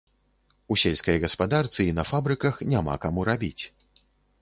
У сельскай гаспадарцы і на фабрыках няма каму рабіць.